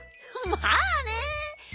まあね。